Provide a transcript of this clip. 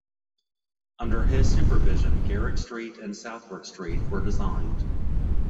Under his supervision, Garrick Street and Southwark Street were designed.